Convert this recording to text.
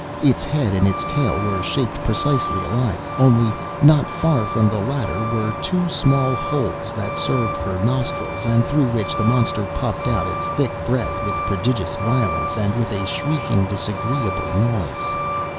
Its head and its tail were shaped precisely alike, only, not far from the latter, were two small holes that served for nostrils, and through which the monster puffed out its thick breath with prodigious violence, and with a shrieking, disagreeable noise.